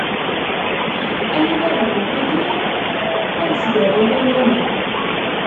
Anida bɣuɣ iliɣ ad sdariɣ iman-iw.